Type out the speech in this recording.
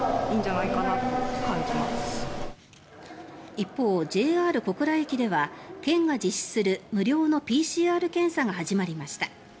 一方、ＪＲ小倉駅では県が実施する無料のＰＣＲ検査が始まりました。